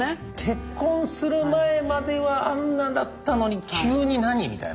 結婚する前まではあんなだったのに急に何？みたいな。